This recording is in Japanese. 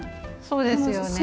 そうですよね。